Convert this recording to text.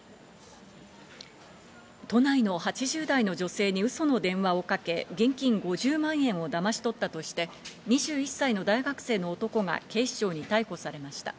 都内の８０代の女性にウソの電話をかけ、現金５０万円をだまし取ったとして、２１歳の大学生の男が警視庁に逮捕されました。